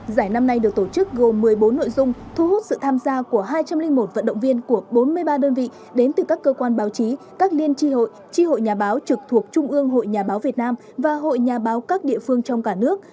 giải năm nay được tổ chức gồm một mươi bốn nội dung thu hút sự tham gia của hai trăm linh một vận động viên của bốn mươi ba đơn vị đến từ các cơ quan báo chí các liên tri hội tri hội nhà báo trực thuộc trung ương hội nhà báo việt nam và hội nhà báo các địa phương trong cả nước